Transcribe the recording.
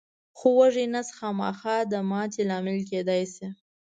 خو وږی نس خامخا د ماتې لامل کېدای شي.